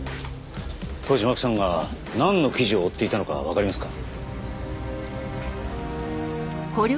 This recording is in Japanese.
当時巻さんがなんの記事を追っていたのかわかりますか？